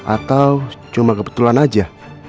atau cuma kebetulan aja